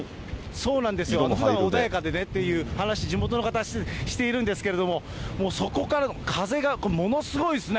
そうなんです、ふだんは穏やかでねっていう話しているんですけれども、もうそこから風が、ものすごいですね。